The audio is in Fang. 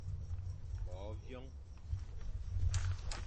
Bo vyoñ.